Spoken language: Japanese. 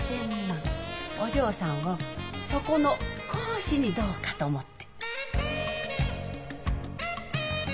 お嬢さんをそこの講師にどうかと思って。